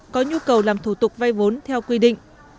có nhu cầu làm thủ tục vay vốn theo quy định